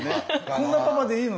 こんなパパでいいの？